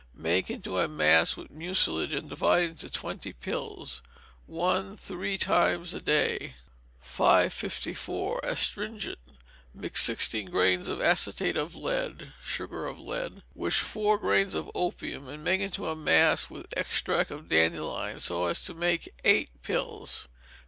Make into a mass with mucilage, and divide into twenty pills. Dose, one, three times a day. 554. Astringent. Mix sixteen grains of acetate of lead (sugar of lead) with four grains of opium, and make into a mass with extract of dandelion, so as to make eight pills.